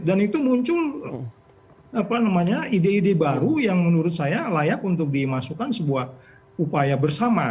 dan itu muncul ide ide baru yang menurut saya layak untuk dimasukkan sebuah upaya bersama